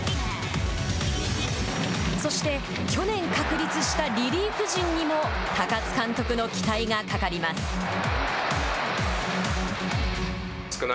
そして去年確立したリリーフ陣にも高津監督の期待がかかります。